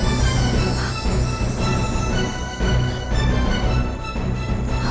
dia melepaskan suami saya